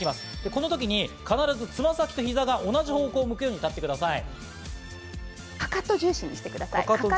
このときに必ずつま先と膝が、同じ方向を向くように立ってください。